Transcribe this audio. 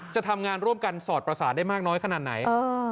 จะทำงานร่วมกันสอดประสาทได้มากน้อยขนาดไหน